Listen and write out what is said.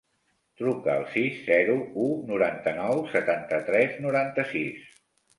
Truca al sis, zero, u, noranta-nou, setanta-tres, noranta-sis.